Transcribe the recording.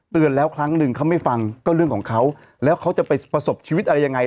เตือนแล้วครั้งหนึ่งเขาไม่ฟังก็เรื่องของเขาแล้วเขาจะไปประสบชีวิตอะไรยังไง